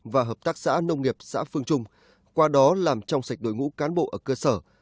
và hợp tác xã nông nghiệp xã phương trung qua đó làm trong sạch đội ngũ cán bộ ở cơ sở